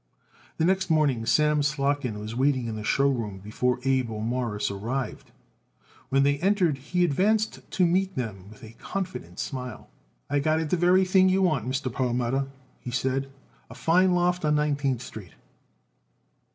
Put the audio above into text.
The next morning Sam Slotkin was waiting in the show room before Abe or Morris arrived. When they entered he advanced to meet them with a confident smile. "I got it the very thing what you want, Mr. Perlmutter," he said. "A fine loft on Nineteenth Street."